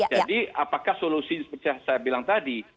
jadi apakah solusi seperti yang saya bilang tadi